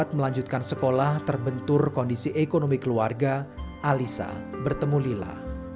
saat melanjutkan sekolah terbentur kondisi ekonomi keluarga alisa bertemu lila